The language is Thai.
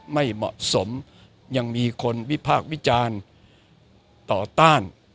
ไม่เหมาะสมยังมีคนวิพากษ์วิจารณ์ต่อต้าน